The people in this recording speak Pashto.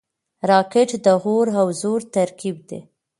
راکټ د اور او زور ترکیب دی